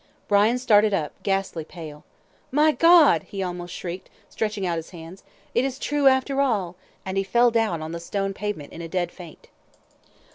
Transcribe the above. Brian started up, ghastly pale. "My God!" he almost shrieked, stretching out his hands, "it is true after all," and he fell down on the stone pavement in a dead faint.